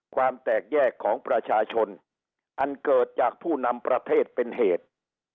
ความแตกแยกของประชาชนอันเกิดจากผู้นำประเทศเป็นเหตุ